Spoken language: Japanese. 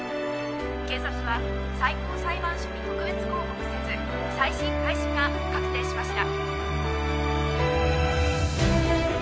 検察は最高裁判所に特別抗告せず再審開始が確定しました。